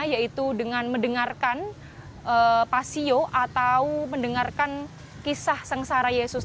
yaitu dengan mendengarkan pasio atau mendengarkan kisah sengsara yesus